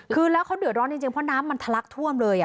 คือแล้วเขาเดือดร้อนจริงเพราะน้ำมันทะลักท่วมเลย